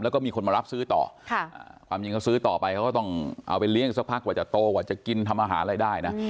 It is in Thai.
แล้วก็มีคนมารับซื้อต่อความจริงเขาซื้อต่อไปเขาก็ต้องเอาไปเลี้ยงสักพักกว่าจะโตกว่าจะกินทำอาหารอะไรได้นะ